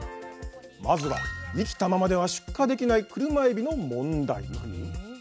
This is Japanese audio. まずは生きたままでは出荷できないクルマエビの問題。